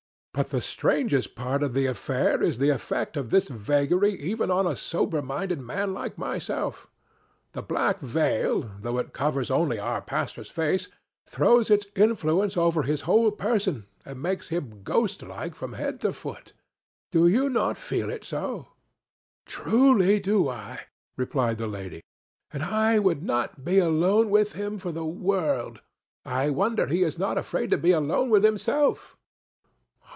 "But the strangest part of the affair is the effect of this vagary even on a sober minded man like myself. The black veil, though it covers only our pastor's face, throws its influence over his whole person and makes him ghost like from head to foot. Do you not feel it so?" "Truly do I," replied the lady; "and I would not be alone with him for the world. I wonder he is not afraid to be alone with himself."